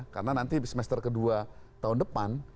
karena nanti semester kedua tahun depan